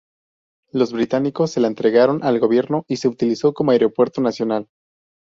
Los británicos se la entregaron al gobierno y se utilizó como aeropuerto nacional.